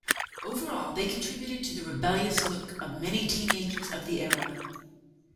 Overall, they contributed to the "rebellious" look of many teenagers of the era.